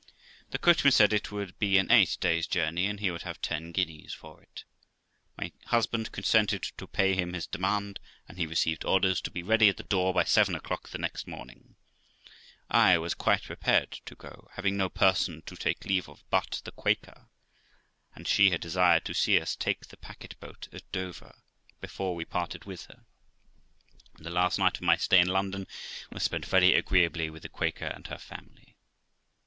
The coachman said it would be an eight days' journey, and he would have ten guineas for it. My husband consented to pay him his demand, and he received orders to be ready at the door by seven of the clock the next morning: I was quite prepared to go, having no person to take leave of but the Quaker, and she had desired to see us take the packet boat at Dover, before we parted with her; and the last night of my stay in London was spent very agreeably with the Quaker and her family.